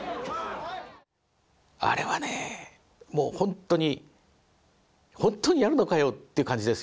あれはねもう本当に本当にやるのかよって感じですよね。